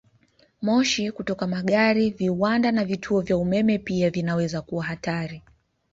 Moshi kutoka magari, viwanda, na vituo vya umeme pia vinaweza kuwa hatari.